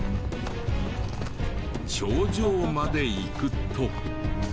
頂上まで行くと。